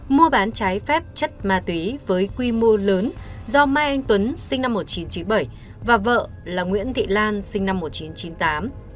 mua bán trái phép chất ma túy với quy mô lớn do mai anh tuấn sinh năm một nghìn chín trăm chín mươi bảy và vợ là nguyễn thị lan sinh năm một nghìn chín trăm chín mươi tám